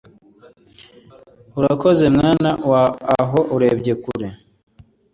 urakoze mwana wa aho urebye kure